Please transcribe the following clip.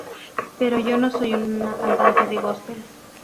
Pero yo no soy una cantante de góspel.